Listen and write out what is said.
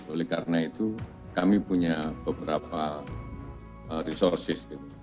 oleh karena itu kami punya beberapa resources